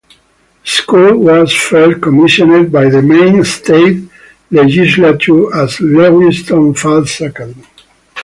The school was first commissioned by the Maine State Legislature as Lewiston Falls Academy.